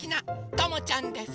ともちゃんです。